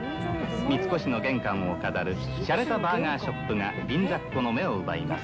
三越の玄関を飾るしゃれたバーガーショップが銀座っ子の目を奪います。